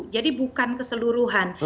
jadi bukan keseluruhan